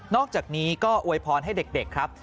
อกจากนี้ก็อวยพรให้เด็กครับ